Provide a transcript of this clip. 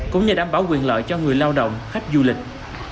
cũng như đảm bảo quyền lợi cho người lao động khách du lịch